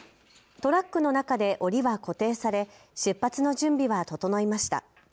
トラックの中で、おりは固定され出発の準備は整いました。